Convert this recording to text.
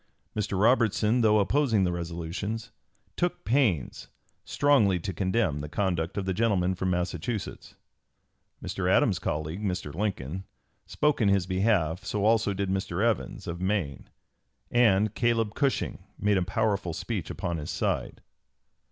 Mr. Robertson, though opposing (p. 276) the resolutions, took pains "strongly to condemn ... the conduct of the gentleman from Massachusetts." Mr. Adams's colleague, Mr. Lincoln, spoke in his behalf, so also did Mr. Evans, of Maine; and Caleb Cushing made a powerful speech upon his side.